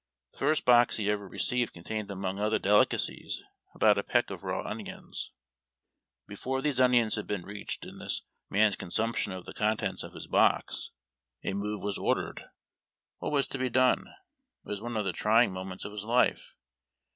The first box he ever received contained, among other delicacies, about a peck of raw onions. Before these onions had been reached in this man's consumption of the contents of his box a move was ordered. AVhat was to be done ? It Avas one of the trying moments of his life.